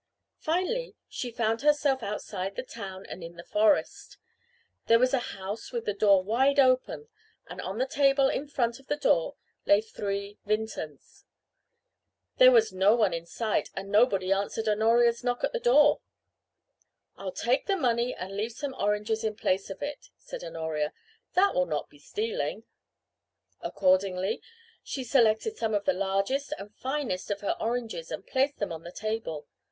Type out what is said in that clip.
Finally she found herself outside the town and in the forest. There was a house with the door wide open and on the table in front of the door lay three vintens. There was no one in sight and nobody answered Honoria's knock at the door. "I'll take the money and leave some oranges in place of it," said Honoria. "That will not be stealing." Accordingly, she selected some of the largest and finest of her oranges and placed them on the table.